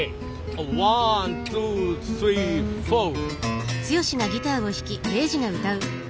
あっワンツースリーフォー。